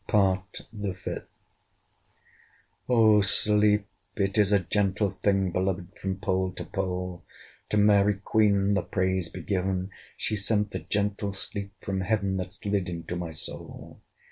PART THE FIFTH. Oh sleep! it is a gentle thing, Beloved from pole to pole! To Mary Queen the praise be given! She sent the gentle sleep from Heaven, That slid into my soul.